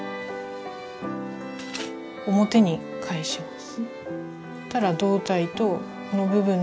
表に返します。